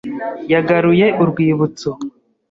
yagaruye urwibutso.